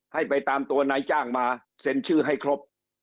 ให้ไปตามตัวนายจ้างมาเซ็นชื่อให้ครบ